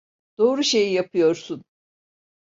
Doğru şeyi yapıyorsun.